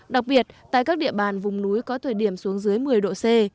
đặc biệt tại các địa bàn vùng núi có thời điểm xuống dưới một mươi độ c